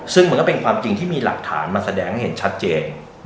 ซึ่งมันก็เป็นความจริงที่มีหลักฐานมาแสดงให้เห็นชัดเจน